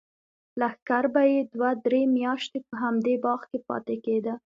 لښکر به یې دوه درې میاشتې په همدې باغ کې پاتې کېده.